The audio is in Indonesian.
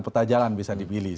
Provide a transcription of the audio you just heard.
pertah jalan bisa dibilih